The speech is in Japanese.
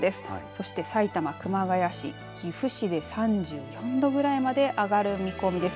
そして埼玉熊谷市、岐阜市で３４度ぐらいまで上がる見込みです。